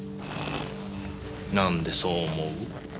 なんでそう思う？